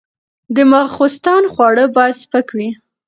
د ماخوستن خواړه باید سپک وي.